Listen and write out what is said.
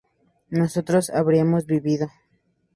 nosotros habríamos vivido